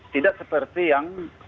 tidak seperti yang dikatakan